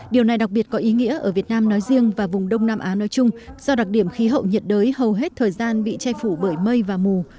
điều này đặc biệt có ý nghĩa ở việt nam nói riêng và vùng đông nam á nói chung do đặc điểm khí hậu nhiệt đới hầu hết thời gian bị che phủ bởi mây và mù